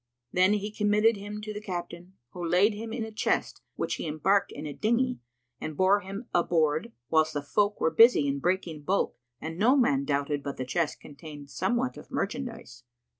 Then he committed him to the captain, who laid him in a chest which he embarked in a dinghy, and bore him aboard, whilst the folk were busy in breaking bulk and no man doubted but the chest contained somewhat of merchandise.